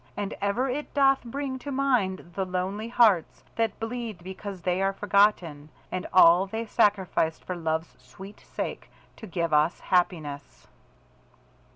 And ever it doth bring to mind the lonely hearts that bleed because they are forgotten, and all they sacrificed for love's sweet sake, to give us happiness.